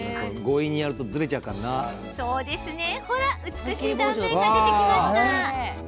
美しい断面が出てきました。